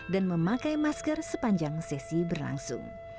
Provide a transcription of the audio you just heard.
memakai masker sepanjang sesi berlangsung